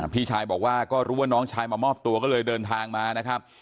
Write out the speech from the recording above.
พี่ชายบอกว่าก็รู้ว่าน้องชายมามอบตัวก็เลยเดินทางมานะครับ